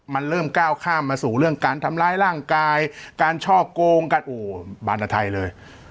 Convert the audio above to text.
มันเริ่มก้าวข้ามมาสู่เรื่องการทำร้ายร่างกายการช่อโกงกันโอ้บานตะไทยเลย